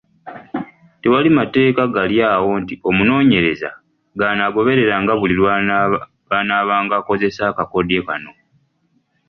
Tewali mateeka gali awo nti omunoonyereza g’anaagobereranga buli lw’anaabanga akozesa akakodyo kano.